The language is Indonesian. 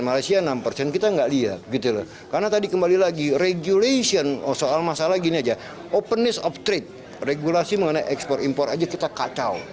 masih menjadi salah satu momok bagi iklim investasi di indonesia